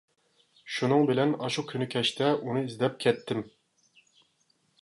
شۇنىڭ بىلەن ئاشۇ كۈنى كەچتە ئۇنى ئىزدەپ كەتتىم.